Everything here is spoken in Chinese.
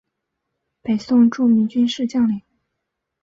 北宋著名军事将领。